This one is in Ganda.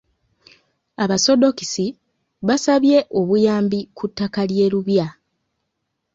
Abasoddokisi basabye obuyambi ku ttaka ly'e Lubya.